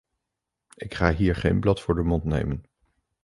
Ik ga hier geen blad voor de mond nemen.